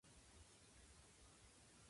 特定の国への経済依存は地政学リスクを内包する。